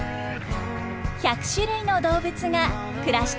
１００種類の動物が暮らしています。